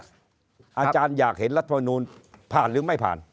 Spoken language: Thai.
อาจารย์อยากเห็นรัฐมนูลผ่านหรือไม่ผ่าน